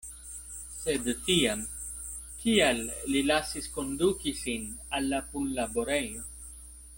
Sed tiam, kial li lasis konduki sin al la punlaborejo?